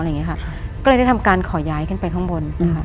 อะไรอย่างนี้ค่ะก็เลยได้ทำการขอย้ายขึ้นไปข้างบน